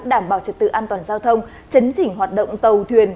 đảm bảo trật tự an toàn giao thông chấn chỉnh hoạt động tàu thuyền